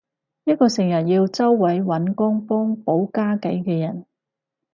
一個成日要周圍搵工幫補家計嘅人